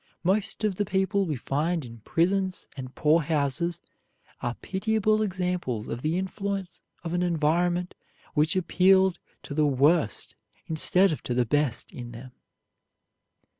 Most of the people we find in prisons and poor houses are pitiable examples of the influence of an environment which appealed to the worst instead of to the best in them.